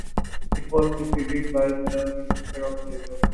It was preceded by the Minister of Labour.